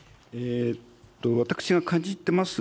私が感じてます